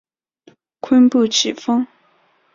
坤布崎峰